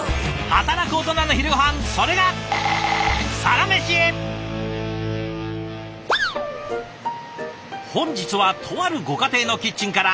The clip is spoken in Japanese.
働くオトナの昼ごはんそれが本日はとあるご家庭のキッチンから。